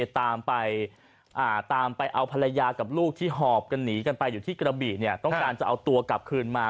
ตามไปตามไปเอาภรรยากับลูกที่หอบกันหนีกันไปอยู่ที่กระบี่เนี่ยต้องการจะเอาตัวกลับคืนมา